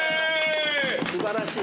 素晴らしい。